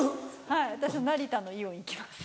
はい私も成田のイオン行きます。